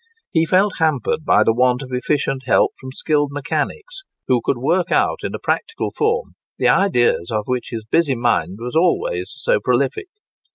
He felt hampered by the want of efficient help from skilled mechanics, who could work out in a practical form the ideas of which his busy mind was always so prolific.